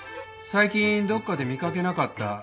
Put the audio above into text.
最近どっかで見掛けなかった？